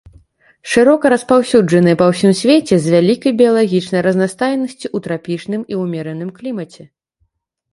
Шырока распаўсюджаныя па ўсім свеце з вялікай біялагічнай разнастайнасцю ў трапічным і ўмераным клімаце.